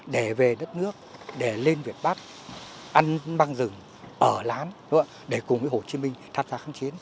để về đất nước để lên việt bắc ăn băng rừng ở lán để cùng hồ chí minh tham gia kháng chiến